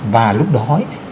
và lúc đó